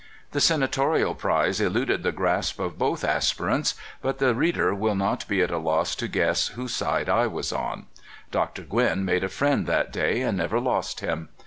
The senatorial prize eluded the grasp of both aspirants, but the reader will not be at a loss to guess whose side I was on. Dr. Gwin made a friend that day, and never lost him.